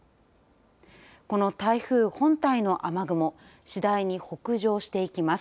この台風本体の雨雲次第に北上していきます。